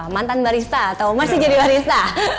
mantan barista atau masih jadi barista